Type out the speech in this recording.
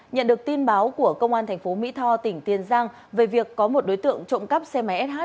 nhận được tin báo của công an tp mỹ tho tỉnh tiền giang về việc có một đối tượng trộm cắp xe máy sh